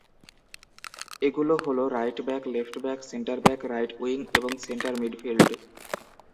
এগুলো হল right back, left back, centre back, right wing এবং সেন্টার মিডফিল্ড।